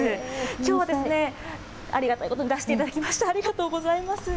きょうは、ありがたいことに、出していただきました、ありがとうございます。